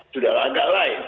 sudah agak lain